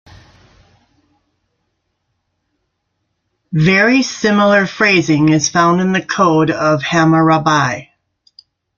Very similar phrasing is found in the Code of Hammurabi.